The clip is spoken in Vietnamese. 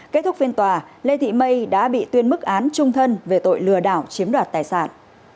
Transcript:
kết thúc phiên tòa lê thị mây đã bị tuyên mức án trung thân về tội lừa đảo chiếm đoạt tài sản